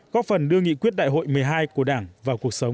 góp phần đưa nghị quyết đại hội một mươi hai của đảng vào cuộc sống